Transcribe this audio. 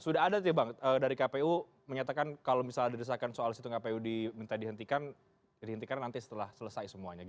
sudah ada dari kpu menyatakan kalau misalnya didesakan soal situng kpu diminta dihentikan dihentikan nanti setelah selesai semuanya